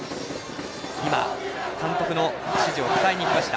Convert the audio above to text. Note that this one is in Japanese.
監督の指示を伝えにいきました